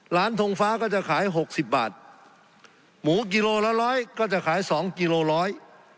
ร้านทงฟ้าก็จะขาย๖๐บาทหมูกิโลละ๑๐๐ก็จะขาย๒กิโลล้อย